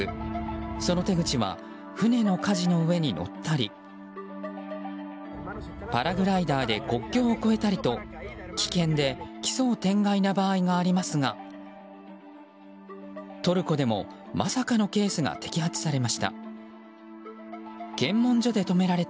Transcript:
その手口は船のかじの上に乗ったりパラグライダーで国境を越えたりと危険で奇想天外な場合がありますがトルコでも、まさかのケースが摘発されました。